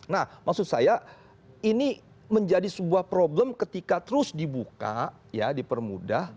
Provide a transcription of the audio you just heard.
nah maksud saya ini menjadi sebuah problem ketika terus dibuka ya dipermudah